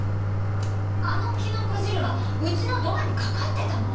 あのキノコ汁はうちのドアにかかってたの！